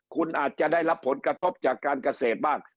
คุณอาจจะได้รับผลกระทบจากการเกษตรบ้าง